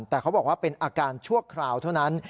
แต่เขาบอกว่าเป็นอาการชั่วคราวเท่านั้น